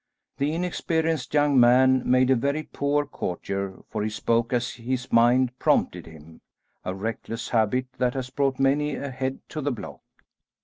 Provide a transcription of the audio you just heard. The inexperienced young man made a very poor courtier, for he spoke as his mind prompted him, a reckless habit that has brought many a head to the block.